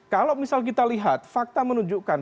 kalau misal kita lihat fakta menunjukkan